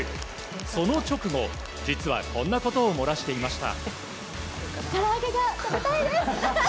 その直後、実はこんなことを漏らしていました。